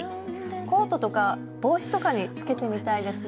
コートとか帽子とかにつけてみたいですね。